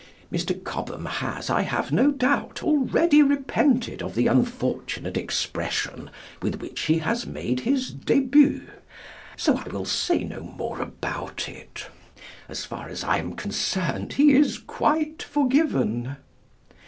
Mr. Cobbam has, I have no doubt, already repented of the unfortunate expression with which he has made his début, so I will say no more about it. As far as I am concerned he is quite forgiven.